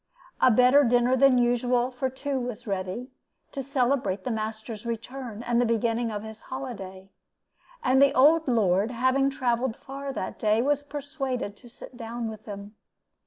A better dinner than usual for two was ready, to celebrate the master's return and the beginning of his holiday; and the old lord, having travelled far that day, was persuaded to sit down with them.